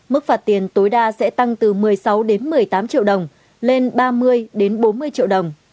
mức phạt tiền tối đa sẽ tăng từ một mươi sáu một mươi tám triệu đồng lên ba mươi bốn mươi triệu đồng